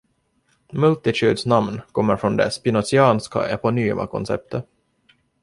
”Multitude”s namn kommer från det spinozianska eponyma konceptet.